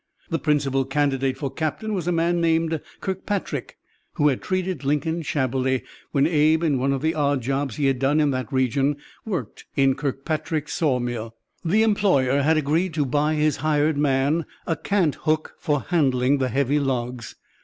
The principal candidate for captain was a man named Kirkpatrick, who had treated Lincoln shabbily when Abe, in one of the odd jobs he had done in that region, worked in Kirkpatrick's sawmill. The employer had agreed to buy his hired man a cant hook for handling the heavy logs.